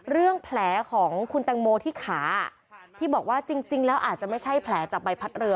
แผลของคุณแตงโมที่ขาที่บอกว่าจริงแล้วอาจจะไม่ใช่แผลจากใบพัดเรือ